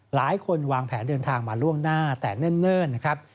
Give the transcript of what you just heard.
หลายคนวางแผนเดินทางมาล่วงหน้าแต่เนิ่นนะครับ